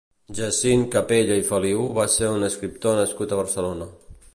Jacint Capella i Feliú va ser un escriptor nascut a Barcelona.